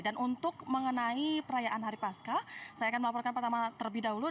dan untuk mengenai perayaan hari pascah saya akan melaporkan pertama terlebih dahulu